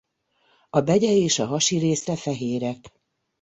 A begye és a hasi része fehérek.